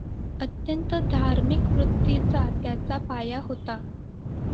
अत्यंत धार्मिक वृत्तीचा त्याचा पाया होता.